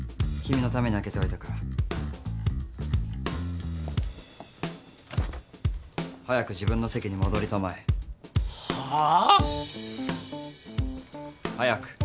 君のために空けておいたから。早く自分の席に戻りたまえ。はあ！？早く。